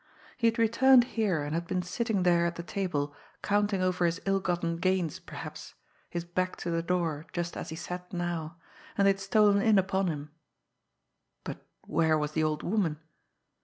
He had returned here and had been sitting there at the table, counting over his ill gotten gains, perhaps, his back to the door, just as he sat now, and they had stolen in upon him. But where was the old woman?